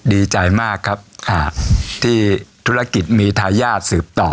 ดีใจมากครับค่ะที่ธุรกิจมีทายาทสืบต่อ